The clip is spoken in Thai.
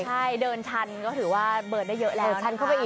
ใช่เดินชันก็ถือว่าเบิร์นได้เยอะแล้วนะค่ะ